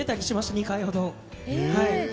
２回ほど。